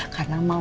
karena mbak bella